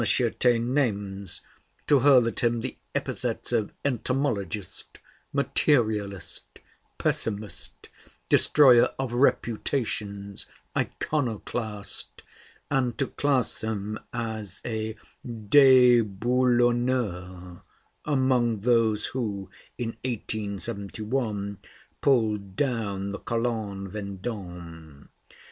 Taine names, to hurl at him the epithets of "Entomologist, Materialist, Pessimist, Destroyer of Reputations, Iconoclast," and to class him as a "déboulonneur" among those who, in 1871, pulled down the Colonne Vendôme.